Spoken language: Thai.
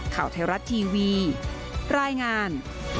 ข่าวไทยรัฐทีวีรายงาน